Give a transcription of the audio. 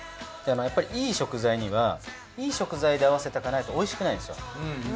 やっぱりいい食材にはいい食材で合わせていかないとおいしくないんですよ。